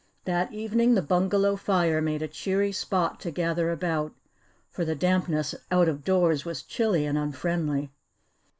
That evening the bungalow fire made a cheery spot to gather about, for the dampness out of doors was chilly and unfriendly.